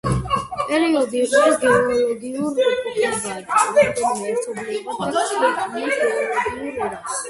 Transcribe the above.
პერიოდი იყოფა გეოლოგიურ ეპოქებად; რამდენიმე ერთობლიობა კი ქმნის გეოლოგიურ ერას.